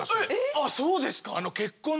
あっそうですか。